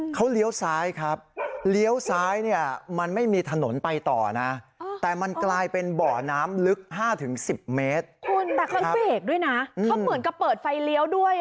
แล้วก็เบรกด้วยนะเขาเหมือนกับเปิดไฟเลี้ยวด้วย